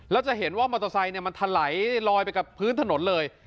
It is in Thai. แล้วจะเห็นว่ามอเตอร์ไซค์มันถลายลอยไปกับพื้นถนนเลย